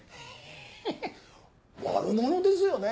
ヘヘ悪者ですよね？